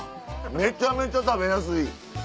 めちゃめちゃ食べやすい！